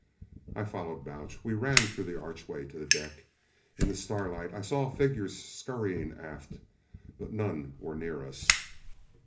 I followed Balch. We ran through the archway to the deck. In the starlight I saw figures scurrying aft, but none were near us.